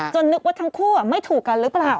นึกว่าทั้งคู่ไม่ถูกกันหรือเปล่า